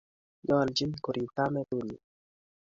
Nyoljin korib kametunyi